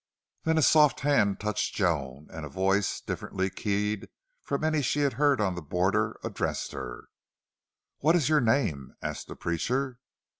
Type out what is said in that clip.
Then a soft hand touched Joan, and a voice differently keyed from any she had heard on the border addressed her. "What is your name?" asked the preacher.